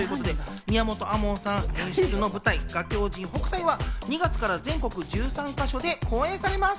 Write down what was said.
宮本亜門さん演出の舞台『画狂人北斎』は２月から全国１３か所で公演されます。